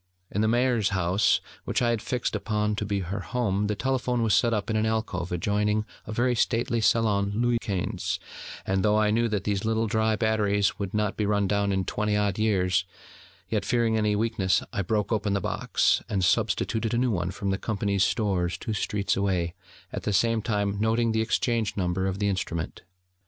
In the Maire's house, which I had fixed upon to be her home, the telephone was set up in an alcove adjoining a very stately salon Louis Quinze; and though I knew that these little dry batteries would not be run down in twenty odd years, yet, fearing any weakness, I broke open the box, and substituted a new one from the Company's stores two streets away, at the same time noting the exchange number of the instrument.